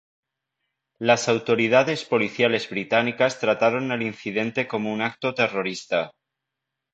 Las autoridades policiales británicas trataron el incidente como un acto terrorista.